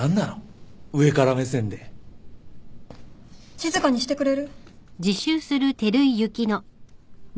静かにしてくれる？